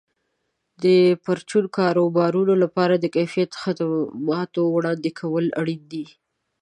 د پرچون کاروبارونو لپاره د کیفیت خدماتو وړاندې کول اړین دي.